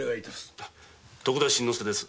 徳田新之助です